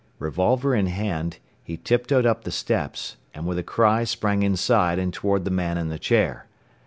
Revolver in hand, he tiptoed up the steps, and with a cry sprang inside and toward the man in the chair.